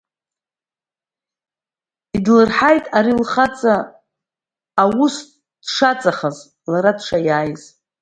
Идлырҳаит ари лхаҵа аус дшаҵахаз, лара дшаиааиз.